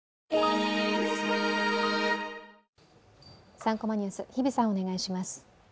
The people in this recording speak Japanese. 「３コマニュース」、日比さん、お願いします。